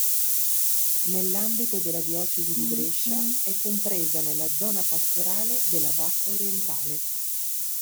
Nell'ambito della diocesi di Brescia, è compresa nella zona pastorale della Bassa Orientale.